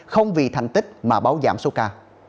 không vì thành tích mà báo giảm số ca